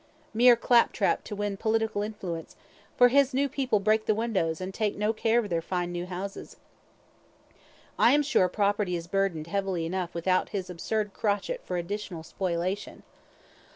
Mere clap trap to win political influence for his own people break the windows, and take no care of their fine new houses. I am sure property is burdened heavily enough without this absurd crotchet for additional spoliation.